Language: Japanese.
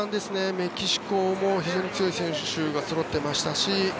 メキシコも非常に強い選手がそろっていましたし。